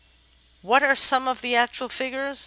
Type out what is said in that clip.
What are some of the actual figures?